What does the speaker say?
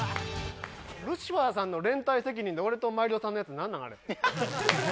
ルシファーさんの連帯責任で俺とマイルドさんのやつなんなん？